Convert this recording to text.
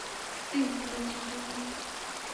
Please, বুঝার চেষ্টা করুন।